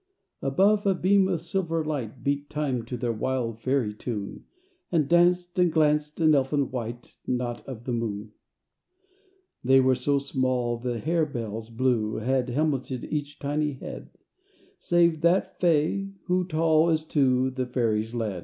Above, a beam of silver light Beat time to their wild fairy tune, And danced and glanced, an elfin white Not of the moon. They were so small the harebell's blue Had helmeted each tiny head, Save that fair Fay, who, tall as two, The Fairies led.